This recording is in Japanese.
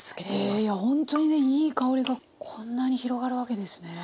いやほんとにねいい香りがこんなに広がるわけですね。